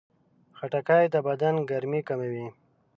خټکی د بدن ګرمي کموي.